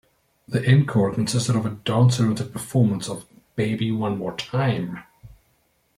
The encore consisted of a dance-oriented performance of "...Baby One More Time".